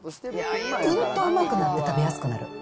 うんと甘くなって食べやすくなる。